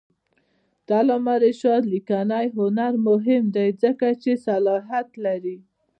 د علامه رشاد لیکنی هنر مهم دی ځکه چې صراحت لري.